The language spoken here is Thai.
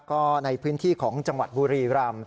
ก็ในพื้นที่ของจังหวัดบุรีรำ